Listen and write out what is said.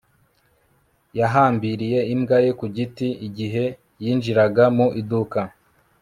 yahambiriye imbwa ye ku giti igihe yinjiraga mu iduka